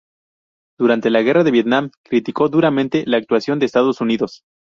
Durante la guerra de Vietnam criticó duramente la actuación de Estados Unidos.